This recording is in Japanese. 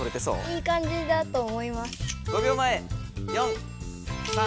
いいかんじだと思います。